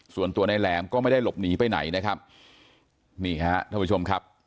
ส่วนตัวนายแหลมก็ไม่ได้หลบหนีไปไหนนะครับนี่ฮะท่านผู้ชมครับ